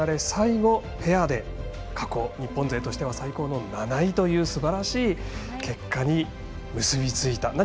最後、ペアで過去日本勢としては最高の７位というすばらしい結果に結びついた。